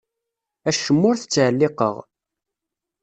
Acemma ur t-ttɛelliqeɣ.